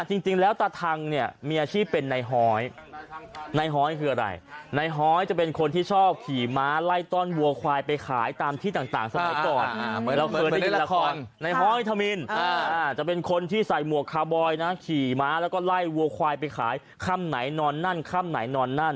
จริงแล้วตาทังเนี่ยมีอาชีพเป็นนายฮอยนายฮอยคืออะไรนายฮอยจะเป็นคนที่ชอบขี่ม้าไล่ต้นวัวควายไปขายตามที่ต่างสมัยก่อน